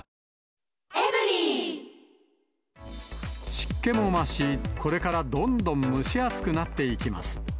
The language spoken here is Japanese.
湿気も増し、これからどんどん蒸し暑くなっていきます。